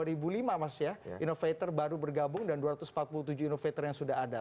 dua ribu lima mas ya innovator baru bergabung dan dua ratus empat puluh tujuh innovator yang sudah ada